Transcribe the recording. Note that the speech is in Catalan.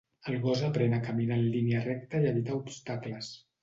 El gos aprèn a caminar en línia recta i evitar obstacles.